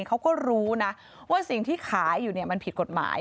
เขาก็รู้นะว่าสิ่งที่ขายอยู่มันผิดกฎหมาย